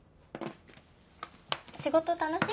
仕事楽しい？